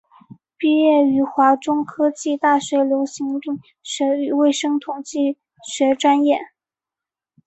毕业于华中科技大学流行病学与卫生统计学专业。